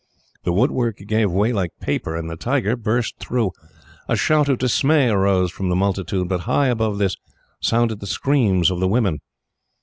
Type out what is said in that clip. The woodwork gave way like paper, and the tiger burst through. A shout of dismay arose from the multitude, but high above this sounded the screams of the women.